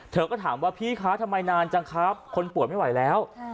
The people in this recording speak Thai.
เธอก็ถามว่าพี่คะทำไมนานจังครับคนป่วยไม่ไหวแล้ว